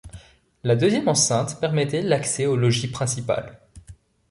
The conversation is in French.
La deuxième enceinte permettait l'accès au logis principal.